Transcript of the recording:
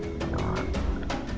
silat harimau pasaman